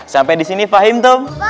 sampai di sini fahimtum